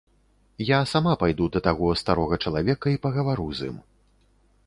Я сама пайду да таго старога чалавека і пагавару з ім.